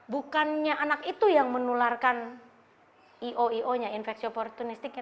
bukannya anak itu yang menularkan i o i o nya infeksi oportunistiknya